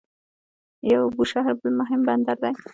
بوشهر بل مهم بندر دی.